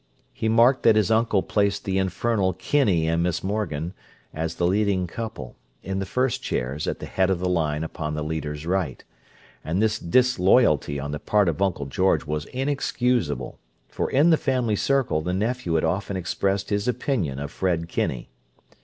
He marked that his uncle placed the infernal Kinney and Miss Morgan, as the leading couple, in the first chairs at the head of the line upon the leader's right; and this disloyalty on the part of Uncle George was inexcusable, for in the family circle the nephew had often expressed his opinion of Fred Kinney.